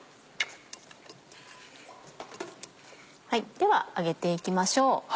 では揚げていきましょう。